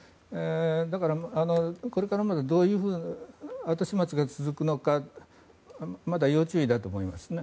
だから、これからまだどういうふうな後始末が続くのかまだ要注意だと思いますね。